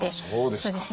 そうですか。